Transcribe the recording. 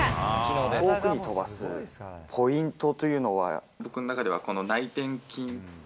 遠くに飛ばすポイントという僕の中では、この内転筋。